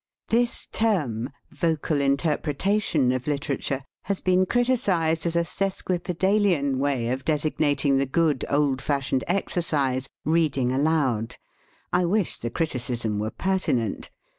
This term, " vocal interpretation of literature," has been criticised as a sesqmrje^aj.iajijyvay of / designating the good, old fashioned exercise, "reading aloud." I wish the criticism were pertinent.